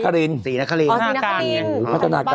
รถติดหนักมากติดทุกเส้นทางนะคะ